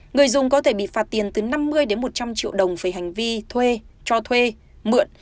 người dùng có thể bị phạt tiền từ năm mươi đến một trăm linh triệu đồng về hành vi thuê cho thuê mượn